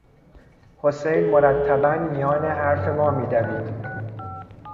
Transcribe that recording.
حسین مرتبا میان حرف ما میدوید.